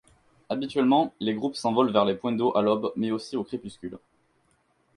Habituellement, les groupes s’envolent vers les points d’eau à l’aube, mais aussi au crépuscule.